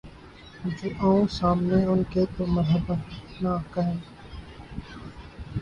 جو آؤں سامنے ان کے‘ تو مرحبا نہ کہیں